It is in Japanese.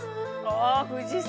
あ富士山！